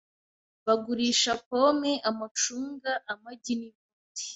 Bagurisha pome, amacunga, amagi, nibindi .